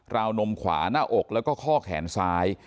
วนมขวาหน้าอกแล้วก็ข้อแขนซ้าย